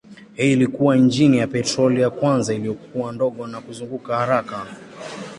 Hii ilikuwa injini ya petroli ya kwanza iliyokuwa ndogo na kuzunguka haraka.